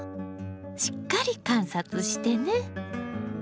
しっかり観察してね。